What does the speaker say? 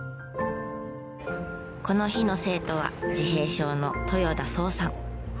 この日の生徒は自閉症の豊田想さん。